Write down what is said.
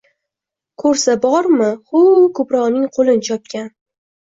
Koʼrsa bormi, huuuv Kubroning qoʼlin chopgan